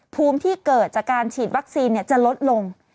ภูมิที่เกิดจากการฉีดวัคซีนจะลดลง